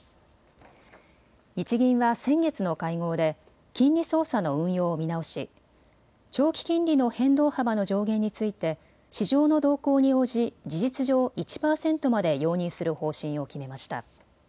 日銀は先月の会合で金利操作の運用を見直し長期金利の変動幅の上限について市場の動向に応じ事実上、１％まで容認する方針を決めました。